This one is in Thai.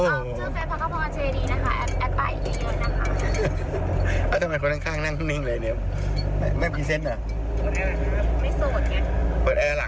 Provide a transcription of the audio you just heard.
เปิดแอร์หลังเลยนะฮะพี่มีแฟนแล้วหวีข่างล่างเปิดเปิดเวนเล็งได้ไส้